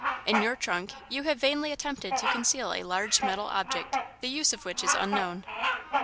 In your trunk, you have vainly attempted to conceal a large metal object, the use of which is unknown."